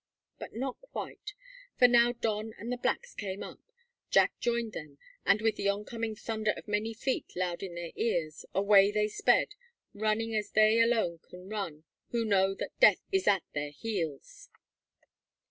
But not quite; for now Don and the blacks came up, Jack joined them, and, with the oncoming thunder of many feet loud in their ears, away they sped, running as they alone can run who know that death is at their heels.